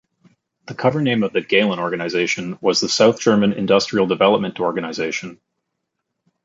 The cover-name of the Gehlen Organization was the South German Industrial Development Organization.